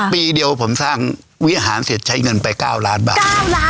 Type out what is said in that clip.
ปีเดียวผมสร้างวิหารเสร็จใช้เงินไป๙ล้านบาท